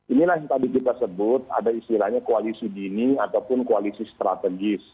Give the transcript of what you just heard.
inilah yang tadi kita sebut ada istilahnya koalisi dini ataupun koalisi strategis